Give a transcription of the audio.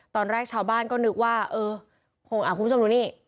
ตอนแรกชาวบ้านก็นึกว่าเออคงคุณผู้ชมดูนี่